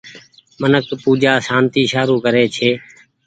منک پوجآ سانتي سارو ڪري ڇي۔